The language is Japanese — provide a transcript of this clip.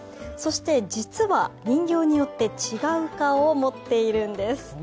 実は人形によって違う顔を持っているんです。